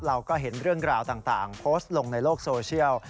เราก็เห็นเรื่องราวต่างโพสต์ลงในโลกโซเชียล